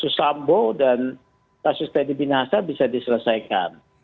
khusus sambo dan kasus teddy inahasa bisa diselesaikan